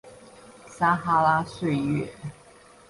撒哈拉歲月